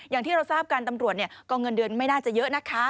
อย่างที่เราทราบกันตำรวจก็เงินเดือนไม่น่าจะเยอะนะคะ